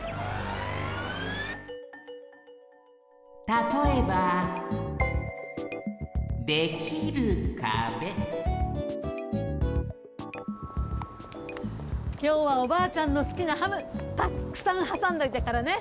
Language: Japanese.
たとえばきょうはおばあちゃんのすきなハムたっくさんはさんどいたからね。